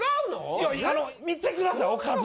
いやあの見てくださいおかず。